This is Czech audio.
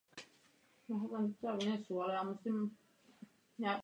Jinak dlouho neusneš.